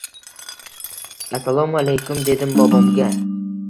«Assalomu alaykum!» – dedim bobomga.